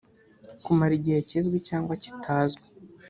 kumara igihe kizwi cyangwa kitazwi